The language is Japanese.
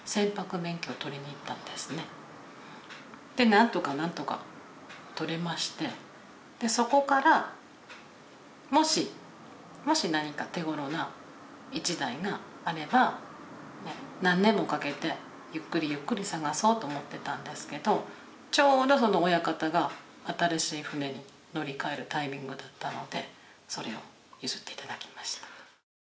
なんとかなんとか取れましてそこからもしもし何か手頃な一台があれば何年もかけてゆっくりゆっくり探そうと思ってたんですけどちょうど親方が新しい船に乗り換えるタイミングだったのでそれを譲っていただきました。